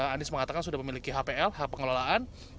anies mengatakan sudah memiliki hpl h pengelolaan